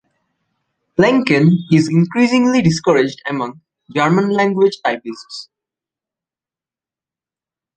Plenken is increasingly discouraged among German-language typists.